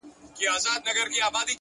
علم د انسان وړتیا زیاتوي.